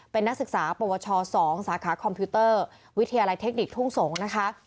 เป็นนักศึกษาปวช๒สาขาคอมพิวเตอร์วิทยาลัยเทคนิคทุ่งสงศ์นะคะ